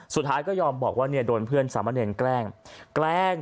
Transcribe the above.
สุดท้ายก็ยอมบอกว่าเนี่ยโดนเพื่อนสามะเนรแกล้งแกล้ง